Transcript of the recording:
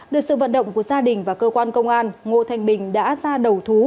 được sự vận động của gia đình và cơ quan công an ngô thanh bình đã ra đầu thú